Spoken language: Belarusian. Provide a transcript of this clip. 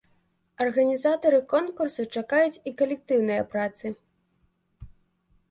Арганізатары конкурсу чакаюць і калектыўныя працы!